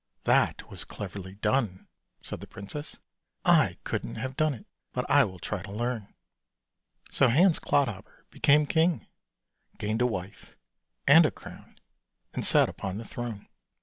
" That was cleverly done," said the princess, " I couldn't have done it, but I will try to learn." So Hans Clodhopper became king, gained a wife and a crown and sat upon the throne.